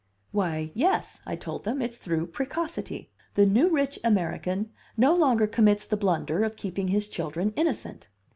"Why, yes," I told them, "it's through precocity. The new rich American no longer commits the blunder of keeping his children innocent.